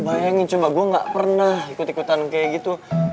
bayangin cuma gue gak pernah ikut ikutan kayak gitu